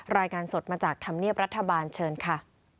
รายงานสดมาจากธรรมเนียบรัฐบาลเชิญค่ะ